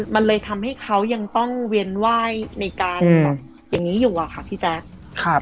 มันเลยทำให้เขายังต้องเวียนไหว้ในการแบบอย่างนี้อยู่อะค่ะพี่แจ๊ค